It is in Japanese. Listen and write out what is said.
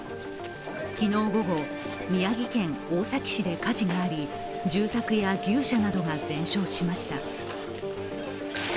昨日午後、宮城県大崎市で火事があり住宅や牛舎などが全焼しました。